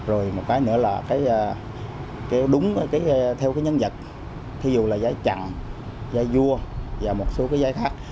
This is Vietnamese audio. rồi một cái nữa là đúng theo nhân vật ví dụ là giấy chặn giấy vua và một số giấy khác